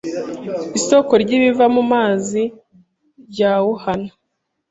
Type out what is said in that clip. Isoko ry'ibiva mu mazi rya Wuhan